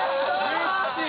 みっちー！